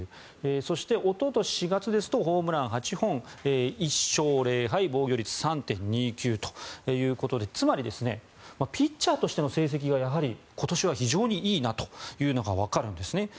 そしておととし４月ですとホームラン８本、１勝０敗防御率３．２９ということでつまりピッチャーとしての成績がやはり今年は非常にいいなというのがわかるんですね。